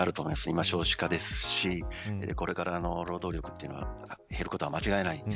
今、少子化ですしこれから労働力というのは減ることは間違いない。